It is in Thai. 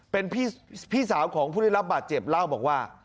เป็นพี่สาวของผู้ได้รับบาดเจ็บเล่าบอกว่า